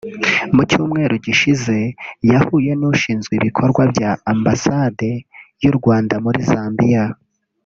mu Cyumweru gishize yahuye n’ushinzwe ibikorwa bya Ambasade y’u Rwanda muri Zambia